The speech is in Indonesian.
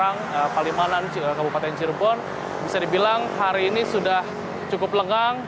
jalan tol palimanan ke bupaten cirebon bisa dibilang hari ini sudah cukup lengang